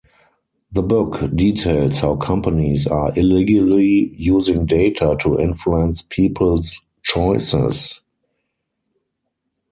The book details how companies are illegally using data to influence people’s choices.